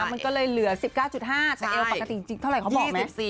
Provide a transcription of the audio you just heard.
มันก็เลยเหลือ๑๙๕แต่เอวปกติจริงเท่าไหร่เขาบอกไหม